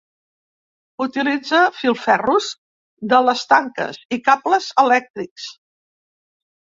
Utilitza filferros de les tanques i cables elèctrics.